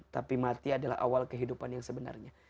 tapi mati adalah awal kehidupan yang sebenarnya